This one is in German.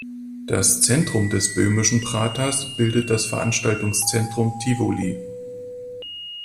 Das Zentrum des Böhmischen Praters bildet das Veranstaltungszentrum Tivoli.